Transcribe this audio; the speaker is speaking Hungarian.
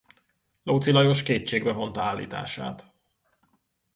Lóczy Lajos kétségbe vonta állítását.